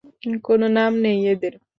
কোনো নাম নেই এদের।